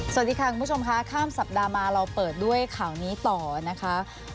สวัสดีค่ะคุณผู้ชมค่ะข้ามสัปดาห์มาเราเปิดด้วยข่าวนี้ต่อนะคะ